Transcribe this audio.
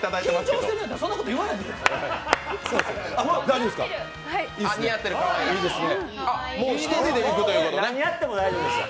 緊張してるんやったら、そんなこといわなくていいですよ。